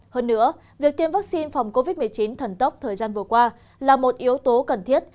hơn nữa việc tiêm vaccine phòng covid một mươi chín thần tốc thời gian vừa qua là một yếu tố cần thiết